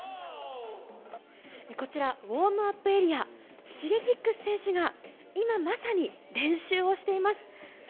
こちら、ウォームアップエリア、シゲキックス選手が今、まさに練習をしています。